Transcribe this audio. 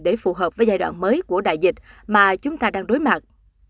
để phù hợp với giai đoạn mới của đại dịch mà chúng ta đang đối mặt